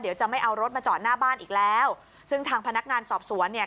เดี๋ยวจะไม่เอารถมาจอดหน้าบ้านอีกแล้วซึ่งทางพนักงานสอบสวนเนี่ย